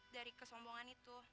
dari kesombongan itu